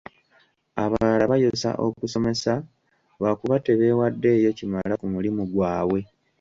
Abalala bayosa okusomesa lwakuba tebeewaddeeyo kimala ku mulimu gwabwe.